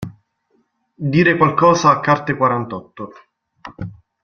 Dire qualcosa a carte quarantotto.